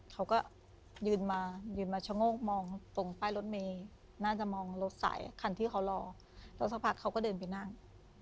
เขาก็ยืนมายืนมาชะโงกมองตรงป้ายรถเมย์น่าจะมองรถสายคันที่เขารอแล้วสักพักเขาก็เดินไปนั่ง